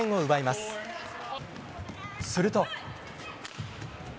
すると。